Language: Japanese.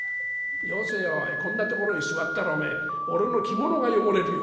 「よせよおいこんなところへ座ったら俺の着物が汚れるよ。